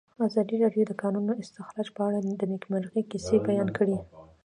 ازادي راډیو د د کانونو استخراج په اړه د نېکمرغۍ کیسې بیان کړې.